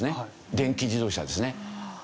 電気自動車ですね。